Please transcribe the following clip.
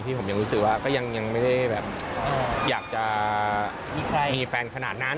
ผมยังรู้สึกว่าก็ยังไม่ได้แบบอยากจะมีแฟนขนาดนั้น